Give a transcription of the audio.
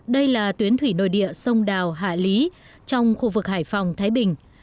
đây là tuyến thủy nội địa sông đào hạ lý trong khu vực hải phòng thái bình